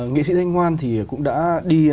nghị sĩ thanh ngoan thì cũng đã đi